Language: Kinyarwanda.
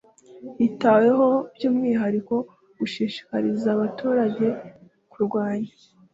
Hitaweho by umwihariko gushishikariza baturage kurwanya